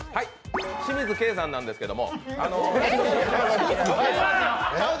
清水圭さんなんですけど。